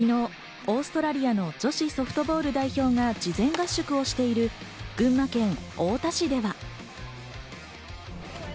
昨日オーストラリアの女子ソフトボール代表が事前合宿をしている群馬県太田市では。